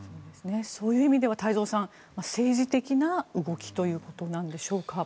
そういう意味では太蔵さん政治的な動きということなんでしょうか。